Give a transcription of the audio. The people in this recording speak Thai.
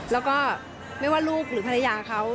แล้วก็ไม่ว่าลูกหรือภรรยาเขา